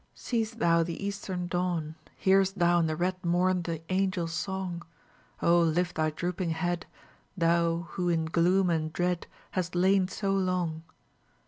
Seest thou the eastern dawn, Hearst thou in the red morn The angel's song? Oh, lift thy drooping head, Thou who in gloom and dread Hast lain so long.